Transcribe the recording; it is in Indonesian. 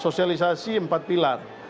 sosialisasi empat pilar